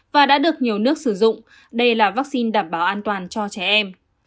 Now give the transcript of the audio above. và đã được nhiều nước sử dụng đây là vaccine đảm bảo an toàn cho trẻ em